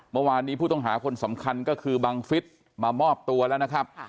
เมื่อวานนี้ผู้ต้องหาคนสำคัญก็คือบังฟิศมามอบตัวแล้วนะครับ